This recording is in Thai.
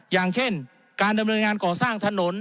อย่างเช่นการดำเนินงานก่อสร้างถนน